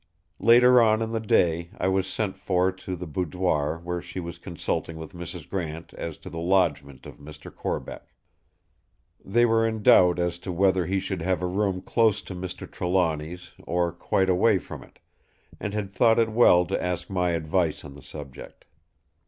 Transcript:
Later on in the day I was sent for to the boudoir where she was consulting with Mrs. Grant as to the lodgment of Mr. Corbeck. They were in doubt as to whether he should have a room close to Mr. Trelawny's or quite away from it, and had thought it well to ask my advice on the subject.